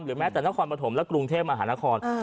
หรือแม้แต่นครปฐมและกรุงเทพอาหารคร